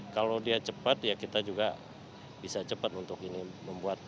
kalau dia cepat ya kita juga bisa cepat untuk ini membuat